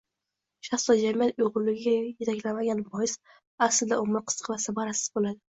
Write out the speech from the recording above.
shaxs va jamiyat uyg‘unligiga yetaklamagani bois, aslida, umri qisqa va samarasiz bo‘ladi.